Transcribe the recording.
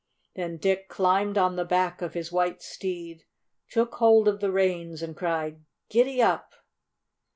Then Dick climbed on the back of his white steed, took hold of the reins, and cried: "Gid dap!"